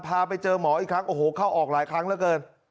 พาไปเจอหมออีกครั้งโอ้โหเข้าออกหลายครั้งเหลือเกิน